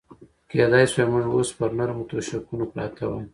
کېدای شوای موږ اوس پر نرمو تشکونو پراته وای.